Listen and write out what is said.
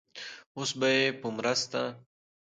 اوس به يې په مرسته